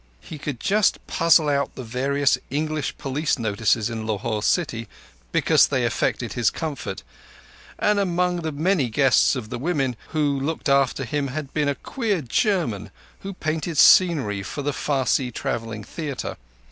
He could just puzzle out the various English Police notices in Lahore city, because they affected his comfort; and among the many guests of the woman who looked after him had been a queer German who painted scenery for the Parsee travelling theatre.